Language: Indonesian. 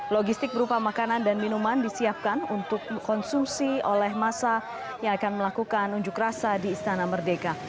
logistik berupa makanan dan minuman disiapkan untuk konsumsi oleh masa yang akan melakukan unjuk rasa di istana merdeka